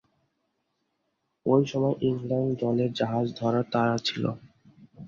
ঐ সময়ে ইংল্যান্ড দলের জাহাজ ধরার তাড়া ছিল।